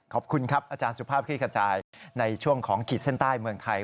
ขอบคุณครับอาจารย์สุภาพคลี่ขจายในช่วงของขีดเส้นใต้เมืองไทย